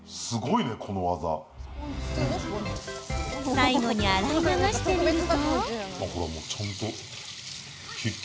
最後に洗い流してみると。